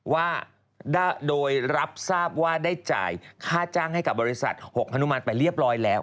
ว่าโดยรับทราบว่าได้จ่ายค่าจ้างให้กับบริษัท๖ฮนุมานไปเรียบร้อยแล้ว